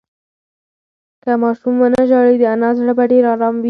که ماشوم ونه ژاړي، د انا زړه به ډېر ارام وي.